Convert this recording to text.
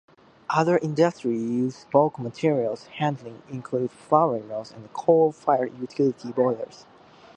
Other industries using bulk materials handling include flour mills and coal-fired utility boilers.